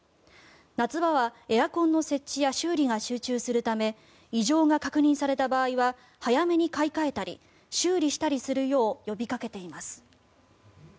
夏場はエアコンの設置や修理が集中するため異常が確認された場合は早めに買い替えたり修理したりするよう呼びかけています。